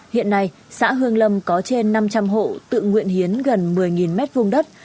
hiện nay xã hương lâm có trên năm trăm linh hộ tự nguyện hiến gần một mươi m hai đất